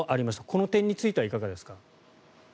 この点にはついてはいかがですか？